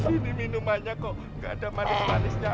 ini minumannya kok gak ada manis manisnya